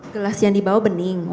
gelas yang dibawah bening